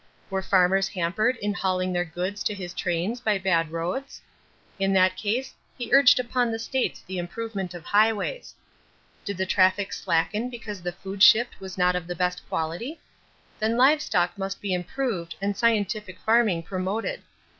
Were farmers hampered in hauling their goods to his trains by bad roads? In that case, he urged upon the states the improvement of highways. Did the traffic slacken because the food shipped was not of the best quality? Then live stock must be improved and scientific farming promoted.